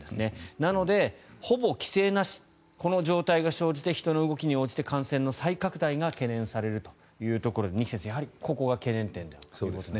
なので、ほぼ規制なしこの状態が生じて人の動きに応じて感染の再拡大が懸念されるということで二木先生、ここが懸念点だということですね。